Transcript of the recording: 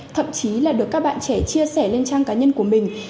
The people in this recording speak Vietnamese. thậm chí là được các bạn trẻ chia sẻ lên trang cá nhân